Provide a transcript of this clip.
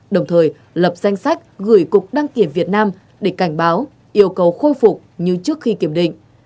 đồng thời lập danh sách gửi cục đăng kiểm việt nam để cảnh báo yêu cầu khôi phục như trước khi kiểm định